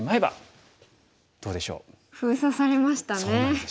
封鎖されましたね。